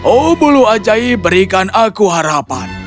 oh bulu ajaib berikan aku harapan